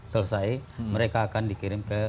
selesai mereka akan dikirim ke